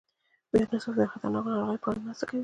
یونیسف د خطرناکو ناروغیو په وړاندې مرسته کوي.